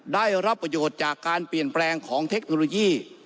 ได้รับประโยชน์จากการเปลี่ยนแปลงของเทคโนโลยี